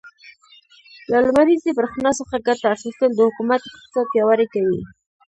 له لمريزې برښنا څخه ګټه اخيستل, د حکومت اقتصاد پياوړی کوي.